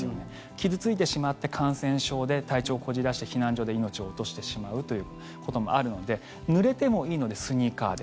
傷付いてしまって感染症で体調をこじらせて避難所で命を落としてしまうということもあるのでぬれてもいいのでスニーカーで。